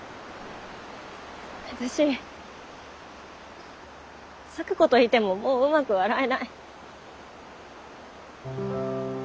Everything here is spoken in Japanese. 私咲子といてももううまく笑えない。